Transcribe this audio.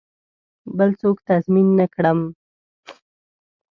بل څوک تضمین نه کړم.